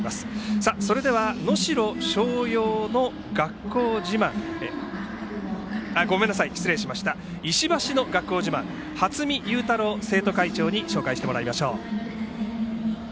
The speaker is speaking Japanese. それでは、石橋の学校自慢を初見優太郎生徒会長に紹介してもらいましょう。